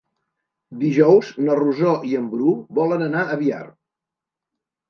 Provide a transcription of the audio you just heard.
Dijous na Rosó i en Bru volen anar a Biar.